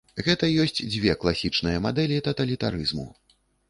Гэта ёсць дзве класічныя мадэлі таталітарызму.